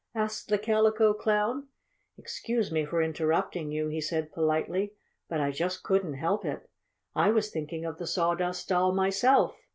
asked the Calico Clown. "Excuse me for interrupting you," he said politely, "but I just couldn't help it. I was thinking of the Sawdust Doll myself.